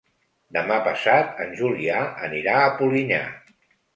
Demà passat en Julià anirà a Polinyà.